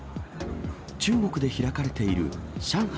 中国で開かれている上海